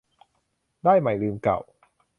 ได้ใหม่ลืมเก่า